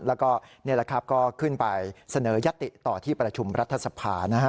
แล้วก็นี่แหละครับก็ขึ้นไปเสนอยัตติต่อที่ประชุมรัฐสภานะฮะ